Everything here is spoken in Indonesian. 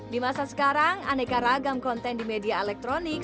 di masa sekarang aneka ragam konten di media elektronik